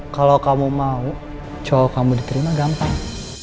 kalau kamu mau coba kamu diterima gampang